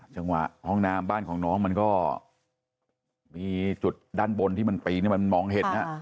จังหวะห้องน้ำบ้านของน้องมันก็มีจุดด้านบนที่มันปีนมันมองเห็น